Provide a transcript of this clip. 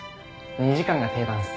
２時間が定番っす。